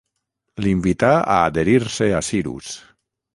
l'invità a adherir-se a Cirus